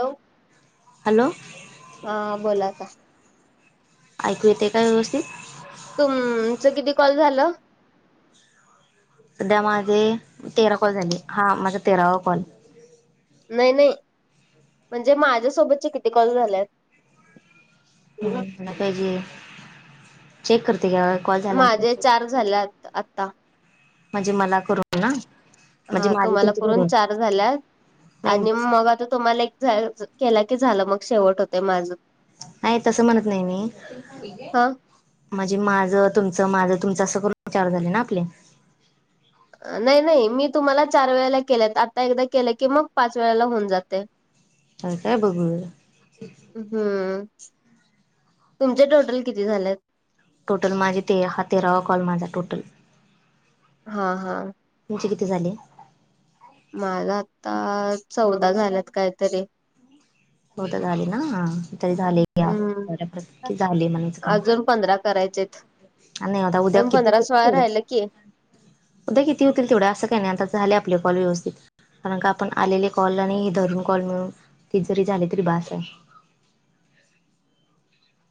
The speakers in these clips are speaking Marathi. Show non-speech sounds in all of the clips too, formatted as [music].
हॅलो! हॅलो! ह बोला आता. ऐकू येते, काय व्यवस्थित? तुमचं किती कॉल झालं? सध्या माझे तेरा कॉल झाले, हा माझा तेरावा कॉल. नाही नाही म्हणजे, माझ्या सोबतचे किती कॉल झाल्यात. हम बघाय पाहिजे, चेक करते घ्या. माझे चार झालेत आता. म्हणजे, मला करून ना? म्हणजे हा माझे तुम्हाला तुमचे करून धरून चार झाल्यात, नाही आणि म्हणजे मग आता तुम्हाला एक झालं केला की झालं, मग शेवट होतोय माझं. नाही, तसं म्हणत नाही मी. हा म्हणजे, माझ तुमच माझ तुमच अस करून चार झाले ना आपले. अ नाही नाही मी तुम्हाला, चार वेळेला केलेत आता एकदा केलं की, मग पाच वेळेला होऊन जातयं. होय, काय बघुया. हम्म! तुमचे टोटल किती झालेत? टोटल माझे ते -हा तेरावा कॉल माझा टोटल. हा हा. तुमचे किती झाले? माझ आत्ता चौदा झाल्यात, काहीतरी. [inaudible] चौदा झाले ना, हा तरी झाले घ्या हम्म बऱ्यापैकी झालयं म्हणाच काम. अजून पंधरा करायचेत. आणि आता उद्या अजून किती? पंधरा देतील सोळा तेवढे. राहिलं की उद्या किती होतील तेवढे, असं काही नाही आता झाले आपले कॉल व्यवस्थित. कारण, का आपण आलेले कॉल आणि हे धरून कॉल मिळून तरी झाले तरी बास हाय.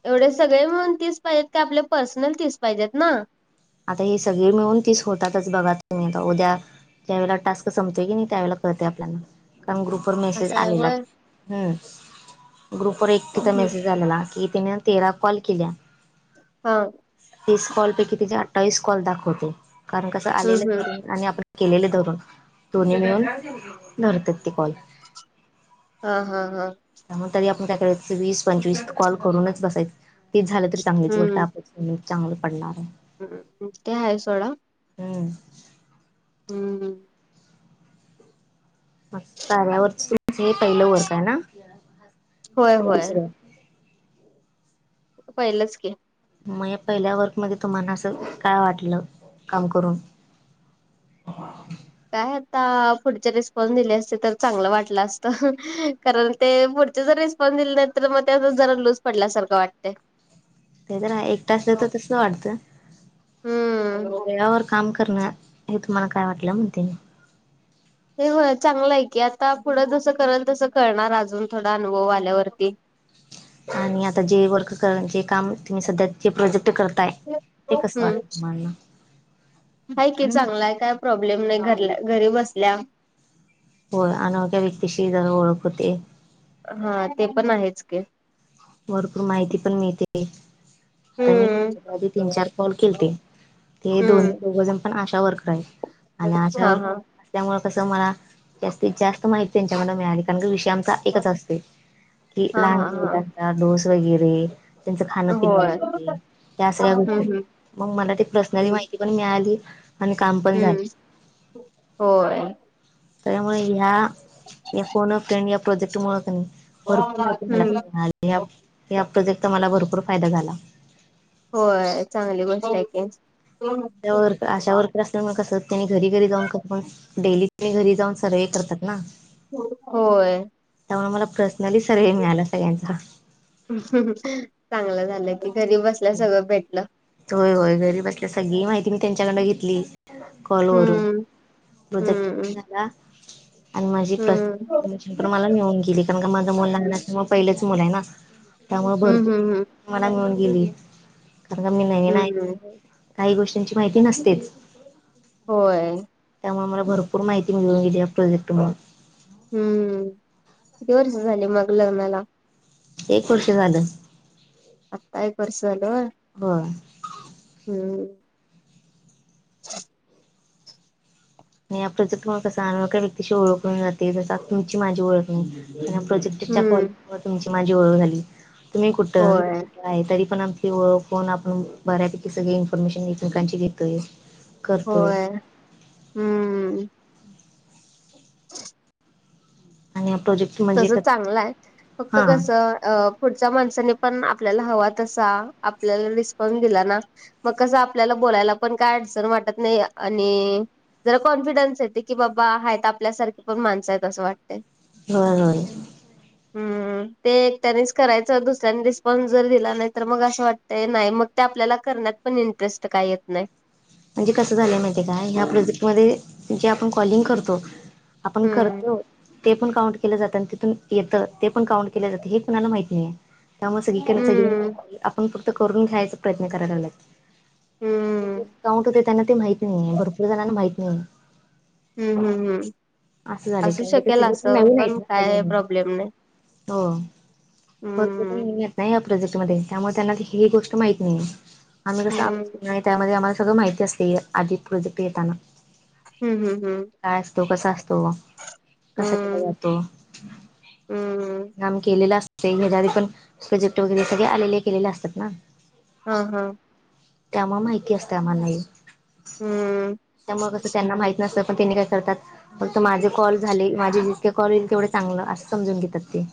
एवढे सगळे मिळून तीस पाहिजेत का आपले पर्सनल तीस पाहिजेत ना? आता हे सगळे मिळून तिस होतातच बघा तुम्ही आता उद्या ज्यावेळेला टास्क संपतोय की नाही त्यावेळेला कळतंय आपल्याला, कारण ग्रुप असं [unintelligible] आहे आलेलात होय. हं! ग्रुपवर एक तिचा हम्म मेसेज आलेला की तिने तेरा कॉल केल्या. हां. तीस कॉल पैकी तिेचे अठ्ठावीस कॉल दाखवतय, कारण कसं हम्म आलेलं हम्म करून आणि आपण केलेले धरून [unintelligible] दोन्ही मिळून धरतात ते कॉल. [unintelligible] हां हां हां त्यामुळे तरी आपण काय करायच [unintelligible] वीस पंचवीस कॉल करूनच बसायच, ते झालं तरी चांगलीच गोष्ट आप उलट चांगलं पडणार आहे. हं हं ते आहे सोडा हंअं हम्म. म [unintelligible] यावर हे [unintelligible] पहिलं वर्क आहे ना? होय ते होय. दुसरं पहिलंच की. माया पहिल्या वर्क मध्ये तुम्हाला असं काय वाटलं काम करून. काय आता, पुढचे रिस्पॉन्स दिले असते तर चांगलं वाटलं असतं, हंह कारण ते पुढचे जरी पण दिले नाहीतर मग त्यातच जरा लूज पडल्यासारखं वाटतंय. ते तर आहे, एक तासल तर तसं वाटत हम्म [unintelligible] वर काम करणार, हे तुम्हाला काय वाटलं म्हणते मी. ते होय, चांगलं आहे की आता [unintelligible] पुढं जसं करेल तसं करणार अजून थोडा अनुभव आल्यावरती. आणि आता जे वर्क करणार, जे काम तुम्ही सध्या जे प्रोजेक्ट करताय ते कसं हम्म वाटत तुम्हाला? हाय की चांगला आहे, काय प्रॉब्लेम नाही घरल्या घरी बसल्या होय अनोळख्या व्यक्तीशी तर ओळख होते. हां ते पण आहेच की भरपूर माहिती पण मिळते. आता मी हम्म आधी तीन चार कॉल केलते, ते दोन्ही हम्म दोघ जण पण आशा वर्क राहील आणि आशा हा वर्क हा त्यामुळे कसं मला, जास्तीत जास्त माहिती त्यांच्याकडनं मिळाली कारण की विषय आमचा एकच असते, कि हा लहान हा हा मुलांचा डोस वगैरे त्यांचं खाणं पिणं होय हम्म वगैरे त्या सगळ्या गोष्टी हम्म मग मला ते पर्सनली हम्म माहिती पण मिळाली. आणि काम पण झालं हम्म होय. त्यामुळे ह्या या फोन फ ट्रेंड या प्रोजेक्ट मु भरपूर माहिती झाला हम्म मिळाली. ह ह प्रोजेक्टचा मला भरपूर फायदा झाला. होय चांगली गोष्ट आहे की. [unintelligible] अशा वर्क ते मग कस त्यांनी घरी घरी जाऊन [unintelligible] डेली घरी जाऊन सर्व्हे करतात ना. होय. त्यामुळे मला पर्सनली सर्व्हे मिळाला सगळ्यांचा. [unintelligible] चांगलं झालं कि घरी बसल्या सगळं भेटलं. होय होय, घरी बसल्या सगळी माहिती मी त्यांच्याकडन घेतली. कोलवररून हम्म प्रोजेक्ट हम्म [inaudible] झाला. आणि माझी प्रस. हम्म [inaudible] मला मिळून गेली कारण का माझं मल लहान असच्यामुळे पहिलेच मुल आहे ना त्यामुळे हम्म हम्म भरपूर. हम्म मला मिळून गेली कारण का मी नवीन हम्म [inaudible] काही गोष्टीची माहिती नसतेच. होय. त्यामुळे आम्हाला भरपूर माहिती मिळून गेली. या प्रोजेक्ट मुळ. हम्म. किती वर्ष झाली मग लग्नाला. एक वर्ष झालं. आता एक वर्ष झाल व्हय. होय. हम्म. ह [unintelligible] आणि या प्रोजेक्ट मुळे कसं अन ओळखी व्यक्तीशी ओळख होउन जाते. जसं तुमची माझी ओळख नाही. आणि या प्रोजेक्ट त्याच्या कॉल हम्म मुळ, तुमची माझी ओळख झाली. तुम्ही कुठं. मी होय कुठं. आहे. तरी पण आपली ओळख होऊन. आपण बऱ्यापैकी सगळे इन्फॉर्मेशन एकमेकांची घेतोय. करतोय होय. हम्म. ह [unintelligible] आणि या प्रोजेक्ट म्हणजे तसं चांगलंय. फक्त हा कसं अ पुढच्या माणसानी पण आपल्याला हवा तसा. आपल्याला रिस्पॉन्स दिला ना. मग कसं. आपल्याला बोलायला पण काय अडचण वाटत नाही. आणि जरा कॉन्फिडन्स येते. की बाबा हायेत आपल्यासारखे पण माणसं आहेत. असं वाटते. होय होय. हम्म. ते एकट्यानेच करायचं. दुसऱ्यानी रिस्पॉन्स जर दिला नाही तर. मग असं वाटतय नाही. मग ते आपल्याला करण्यात पण इंटरेस्ट काय येत नाही. म्हणजे कसं झालंय माहितीे काय. ह्या प्रोजेक्ट मध्ये जे आपण कॉलिंग करतो. आपण हम्म करतो. ते पण काउंट केलं जातं. आणि तिथून येतं ते पण काउंट केलं जातं. हे कोुणाला माहित नाहीत नये. त्यामुळे सगळी कड सगळी हम्म जन आपण फक्त करून घ्यायचा प्रयत्न कराय लागलायत. हम्म. काउंट होते त्यांना ते माहित नाहीये. भरपूर जणांना माहीत नाहीये. हम्म हम्म हम्म. असं झालंय असू कारण ते शकेल सगळे असं. नवीन आहेत पण ना काय त्याच्यामुळे प्रॉब्लेम नाही. हो. हम्म [unintelligible] प्रोजेक्ट मध्ये. त्यामुळे त्यांना ही गोष्ट माहिती नाहीये. आम्ही कसं आम हम्म नाही. त्यामध्ये आम्हाला सगळं माहिती असते. आधिच प्रोजेक्ट येताना. हम्म हम्म हम्म. काय असतो. कसा असतो. कसा केला हम्म जातो. हम्म हम्म काम केलेलं असते. ह्याच्या आधी पण प्रोजेक्ट वगैरे सगळे आलेले केलेले असतात ना. ह. ह. त्यामुळे् माहिती असते आम्हाला हे. हम्म त्यामुळे कसं त्यांना माहित नसत. पण त्यांनी काय करतात. फक्त माझे कॉल झाले. माझे जितके कॉल होईल तेवढे चांगलं. असं समजून घेतात ते.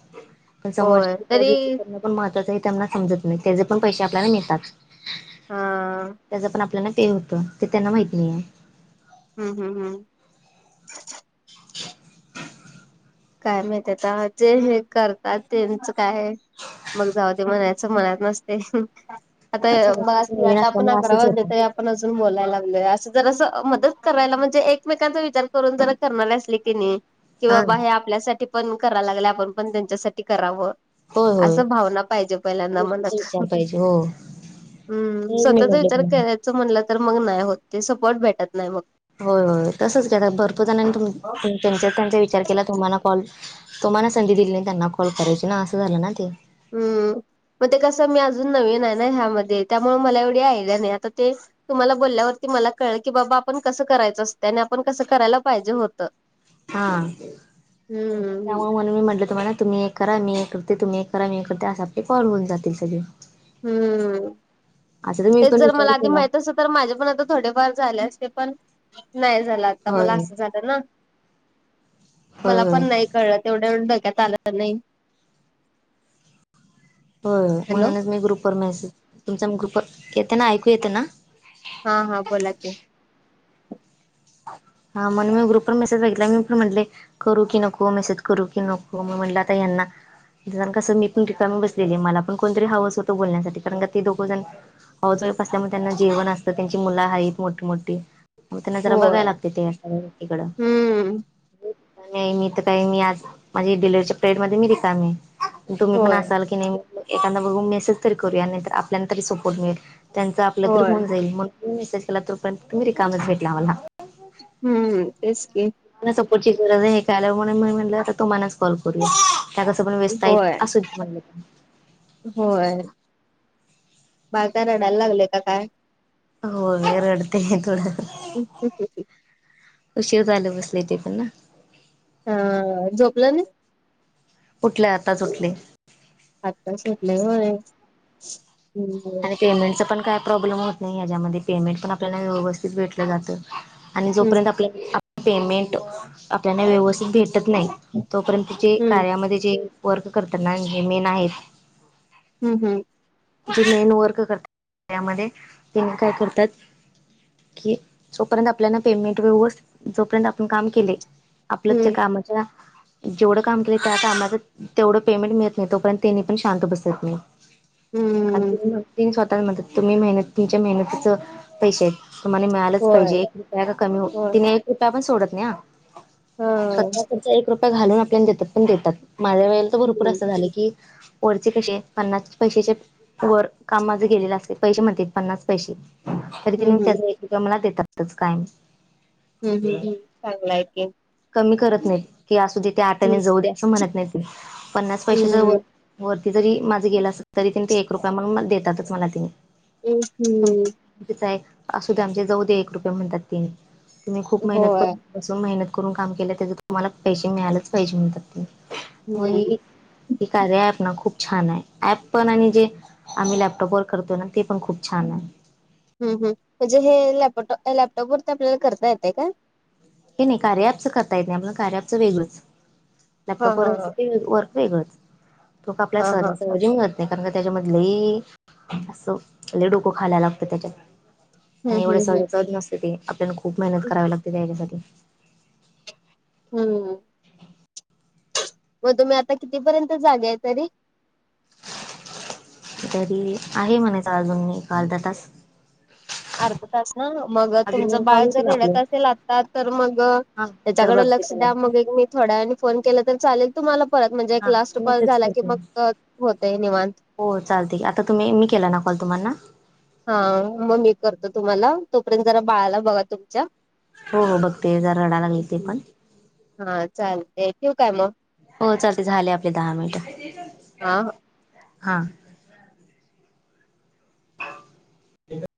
पण होय समोरच्याची कॉल तरी रिसीव करण ण महत्वाचय त्यांना समजत नाही. त्याचे पण पैसे आपल्याला मिळतात. हा हम्म त्याच पण आपल्याना ते होतं. ते त्यांना माहत नाहीये. हम्म हम्म हम्म. [unintelligible] काय माहित आता. जे हे करतात त्यांच काय? मग जाऊ दे म्हणायच मनात नसते. आता अच्छा तसं बाकी नवीन आता आपण असल्यामुळे असंच अकरावाजले होतं तरी आप पण अजून बोलायला लागलोय. असं जर अस मदत करायला म्हणजे एकमेकांचा विचार करून. जरा करणारे असली की नाही. कि हा बाबा हे आपल्यासाठी पण करा लागले. आपण पण त्यांच्यासाठी करावं. होय होय. असं भावना पाहिजे पहिल्यांद ह्या गोष्टीचा मनात. विचार पाहिजे हो हम्म तेच मी स्वतःचा म्हटले विचार तुम्हाला. करायच म्हणलं तर. मग नाही होत. ते सपोर्ट भेटत नाही मग. होय होय तसंच जगात भरपूर जणांनी त्यांच्या त्यांचा विचार केला. तुम्हाला कॉल. तुम्हाला संधी दिली नाही त्यांना कॉल करायची ना. असं झालं ना ते. हम्म! मग ते कसं मी अजून नवीन आहे ना, ह्यामध्ये, त्यामुळे मला एवढी आयडिया नाही, आता ते तुम्हाला बोलल्यावरती मला कळलं, की बाबा आपण कसं करायचं असतय, आणि आपण कसं करायला पाहिजे होतं. हा, हम्म त्यामुळे म्हणून मी म्हटलं तुम्हाला, तुम्ही एक करा, मी एक करते, तुम्ही एक करा, मी एक करते, असं आपले कॉल होऊन जातील सगळे. हम्म, असं तर मी हेच पण जर मला विचार आधी केला माहित तर माझे पण आता, थोडेफार झाले असते पण, नाही झालं, आता होय मला होय. असं जा होय मला पण होय नाही कळल, तेवढ्या एवढ डक्यात आलं नाही. होय, हॅलो म्हणूनच मी ग्रुपवर मेसेज, तुमचा मी ग्रुपवर, येत ना, ऐकू येते ना? हा, हा, बोला की. हा, म्हणून मी ग्रुपवर मेसेज बघितला, मी पण म्हटले करू की नको, मेसेज करू की नको, मग म्हटलं आत्ता यांना जण कसं मी [unintelligible] ठिकाणी बसलेली, मला पण कोणतरी हव, होतं बोलण्यासाठी, कारण का ते दोघोजण हाऊस वाइफ असल्यामुळे, त्यांना जेवण असतं, त्यांची मुलं हायीत, मोठी-मोठी म त्यां जरा बघाय होय लागतय, ते सगळ्या गोष्टकडं. हम्म नाही, मी तर नाही, मी आज माझी डिलवररीच्या पिरीडेट मध्ये मी रिकामी आहे. तुम्ही पण होय असाल की नाही, एखादा बघू मेसेज तरी करूया, नाहीतर आपल्याना तरी सपोर्ट मिळेल. त्यांचं आपलं तरी होय होऊन जाईल, म्हणून [unintelligible] मेसेज केला, तोपयंत तुम्ही रिकामच भेटला मला. हम्म! तेच की. सपोर्ट ची गरज आहे, हे कळल्यावर [unintelligible] म्हणून मी म्हटलं, आता तुम्हालाच कॉल करूया. त्या कसं पण व्यस्त आहेत, होय असुदे म्हण होय. बाळ काय रडयला लागलय काय काय? होय, रडतंय थोड. [unintelligible] [inaudible] उशीर झाल बसलय, ते पण ना. हम्म! झोपल नाही? उठलय आताच उठलय. आत्ताच उठलय होय? हम्म आणि पेमेंटच पण काय प्रॉब्लेम होत नाही याच्यामध्ये, पेमेंट पण आपल्याला व्यवस्थित भेटलं जातं. आणि हम्म जोपर्यंत आपल्या पेमेंट, आपल्याला व्यवस्थित भेटत नाही तोपर्यंत जे हम्म कार्यामध्ये, जे वर्क करतात ना, जे मेन आहेत हम् हम्. जे मेन वर्क करतात त्यामध्ये, तेनी काय करतात कि जोपर्यंत आपल्याला पेमेंट व्यवस्थ, जोपर्यंत आपण काम केलय आपल्या त्या हम्म कामाच्या जेवढं काम केलं त्या कामाच, तेवढं पेमेंट मिळत नाही, तोपर्यंत तेनी पण शांत बसत नाही. हम्म! कारण ती स्वतः हुन म्हणतात, तुम्ही मेहनत तुमच्या मेहनतीच पैसे आहेत. तुम्हाला मिळालंच होय पाहिजे, [unintelligible] एक रुपया कमी हो, होय तिने एक रुपया पण सोडत नाही हा. हा स्वतःकडच एक रुपया घालून आपल्याला देतात, पण देतात, माझ्या वेळेला तर भरपूर हम्म असं झालं की वरचे कसे, पन्नास पैशाच्या वर, कामा माझ गेलेले असते, पैसे म्हणते, पन्नास पैसे तरी हम्म तेंनी मला हम्म एक रुपया देतातच, कायम. हम् हम् हम्, चांगल हाय की. कमी करत नाहीत, किवा असु दे, ते आठाने हम्म जाऊ दे, असं म्हणत नाहीत, पन्नास पैशाच हम्म वरती जरी माझं गेलं असल, तरी तिने ते एक रुपया म्हणून देतातच मला तेंनी. एक हम्. तीचा एक असू द्या, आमचे जाऊ दे एक रुपये म्हणतात तेंनी, खूप मेहनत होय करु कसून, मेहनत करून, काम केलं, त्याच्या तुम्हाला पैसे मिळालेच पाहिजे, म्हणतात ते. हम्म होई नई, कार्य ऍप ना खूप छान आहे, ऍप पण आणि जे आम्ही लॅपटॉप वर करतो ना, ते पण खूप छान आहे. हम् हम म्हणजे हे लॅपटॉप लॅपटॉप वरती आपल्याला करता येते का? हे नाही कार्यापचं करता येत नाही आपलं कार्यपचं वेगळंच हा लॅपटॉपवर हा असं ते वर्क वेगळंच तोका आपल्या हा हा हा सहजा हा सहजी येईन मग नाही कारण का त्याच्यामधले लै असं लै डोकं खायला लागतं त्याच्यात हम्म आणि एवढे हम्म हम्म सहज नसते ते आपल्याला खूप मेहनत करावी लागते त्या याच्यासाठी हम्म. मग तुम्ही आता कितीपर्यंत जागा तरी तरी आहे म्हणाच अजून मी अर्धा तास अर्ध तास ना मग अजून तुमचं दोन बाळ कॉल जर होतील आपले रड्यात असेल आता तर मग हा जर त्याच्याकडे बघते लक्ष त्याला द्या मग एक [unintelligible] थोड्यानी फोन केला तर चालेल तुम्हाला परत म्हणजे एक हा लास्ट कॉल मेसेज झाला की करते मग अ होते निवांत हो चालते आता तुम्ही मी केला ना कॉल तुम्हाना हा मग मी करतो तुम्हाला तोपर्यंत जरा बाळाला बघा तुमच्या हो हो बघते जर रडायलागल ते पण हा चालते ठेवु काय मग हो चालते झाले आपले दहा मिनिट हा. हा. हा. ठीकआहे.